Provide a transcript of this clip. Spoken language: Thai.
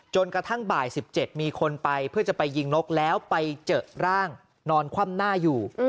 กระทั่งบ่าย๑๗มีคนไปเพื่อจะไปยิงนกแล้วไปเจอร่างนอนคว่ำหน้าอยู่